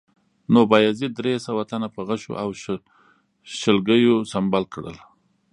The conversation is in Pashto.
نو بایزید درې سوه تنه په غشو او شلګیو سنبال کړل